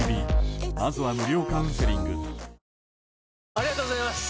ありがとうございます！